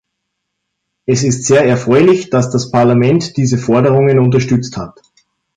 Es ist sehr erfreulich, dass das Parlament diese Forderungen unterstützt hat.